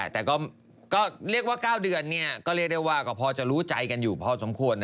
แต่ก็เรียกว่า๙เดือนก็เรียกได้ว่าก็พอจะรู้ใจกันอยู่พอสมควร